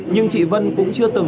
nhưng chị vân cũng chưa từng